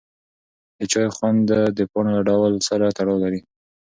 د چای خوند د پاڼو له ډول سره تړاو لري.